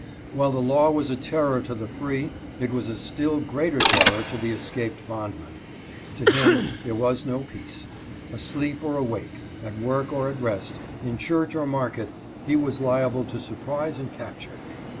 While the law was a terror to the free, it was a still greater terror to the escaped bondman. To him there was no peace. Asleep or awake, at work or at rest, in church or market, he was liable to surprise and capture.